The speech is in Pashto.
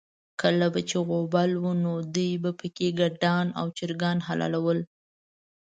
کله به چې غوبل و، نو دوی به پکې ګډان او چرګان حلالول.